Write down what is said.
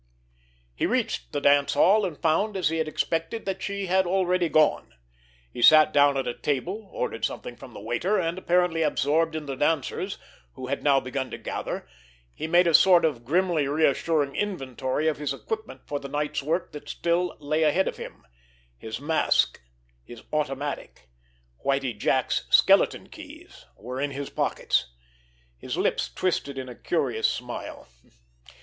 He reached the dance hall, and found, as he had half expected, that she had already gone. He sat down at a table, ordered something from the waiter, and, apparently absorbed in the dancers, who had now begun to gather, he made a sort of grimly reassuring inventory of his equipment for the night's work that still lay ahead of him—his mask, his automatic, Whitie Jack's skeleton keys, were in his pockets. His lips twisted in a curious smile.